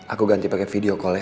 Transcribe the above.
aku ganti pakai video call ya